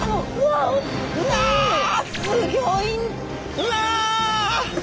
うわ！